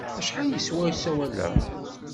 Acḥal yeswa usawal-a?